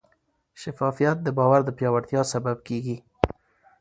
شفافیت د باور د پیاوړتیا سبب کېږي.